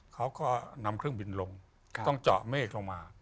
เขาก็นำเครื่องบินลงต้องเจาะเมฆลงมา